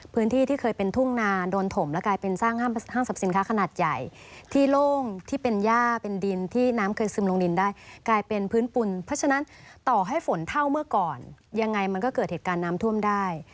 ที่เคยเป็นทุ่งนานโดนถมและกลายเป็นสร้างห้างสรรพสินค้าขนาดใหญ่ที่โล่งที่เป็นย่าเป็นดินที่น้ำเคยซึมลงดินได้กลายเป็นพื้นปุ่นเพราะฉะนั้นต่อให้ฝนเท่าเมื่อก่อนยังไงมันก็เกิดเหตุการณ์น้ำท่วมได้